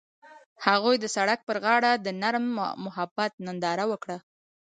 هغوی د سړک پر غاړه د نرم محبت ننداره وکړه.